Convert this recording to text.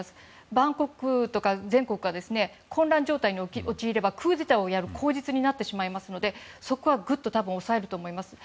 バンコクとか全国が混乱状態に陥ればクーデターをやる口実になってしまいますのでそこはぐっと抑えると思います。